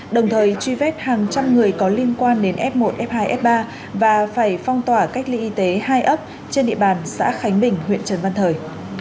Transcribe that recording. đồng thời truy vết hàng trăm người có liên quan đến f một f hai f ba và phải phong tỏa cách ly y tế hai ấp trên địa bàn xã khánh bình huyện trần văn thời